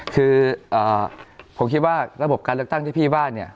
คือผมคิดว่าระบบการเลือกตั้งที่พี่ว่าเนี่ย